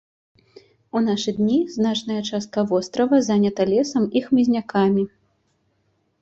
У нашы дні значная частка вострава занята лесам і хмызнякамі.